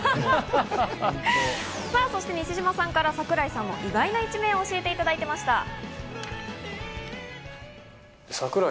さぁそして西島さんから桜井さんの意外な一面を教えていただきました。